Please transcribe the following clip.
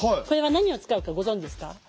これは何を使うかご存じですか？